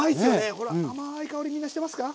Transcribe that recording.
ほら甘い香りみんなしてますか？